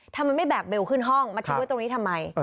ทำไมไม่แบกเบลขึ้นห้องมาทิ้งไว้ตรงนี้ทำไม